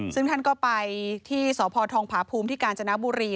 ซึ่งท่านก็ไปที่สพทองผาภูมิที่กาญจนบุรี